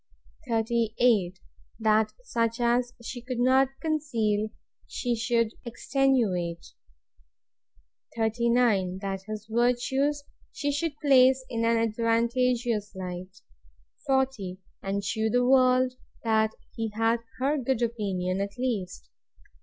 38. That such as she could not conceal, she should extenuate. 39. That his virtues she should place in an advantageous light 40. And shew the world, that he had HER good opinion at least.